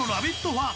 ファン。